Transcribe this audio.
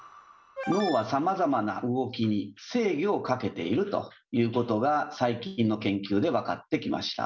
脳はさまざまな動きに制御をかけているということが最近の研究で分かってきました。